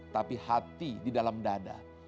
tapi hati di dalam dada